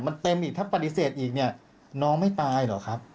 มันเต็มอีกถ้าปฏิเสธอีกเนี่ยน้องไม่ตายเหรอครับ